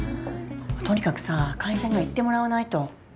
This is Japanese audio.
とにかくさ会社には行ってもらわないと。